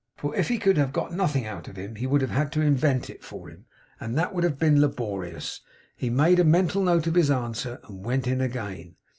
For if he could have got nothing out of him, he would have had to invent it for him, and that would have been laborious. He made a mental note of his answer, and went in again.